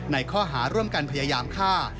ในข้อหาร่วมกันพยายามฆ่า